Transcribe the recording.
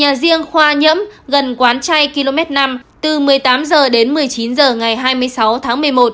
nhà riêng khoa nhiễm gần quán chay km năm từ một mươi tám h đến một mươi chín h ngày hai mươi sáu tháng một mươi một